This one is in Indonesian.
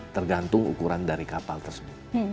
tergantung ukuran dari kapal tersebut